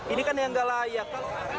ini kan yang gak layak